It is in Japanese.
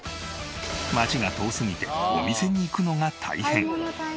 街が遠すぎてお店に行くのが大変。